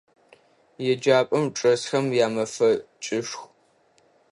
Еджапӏэм чӏэсхэм ямэфэкӏышху.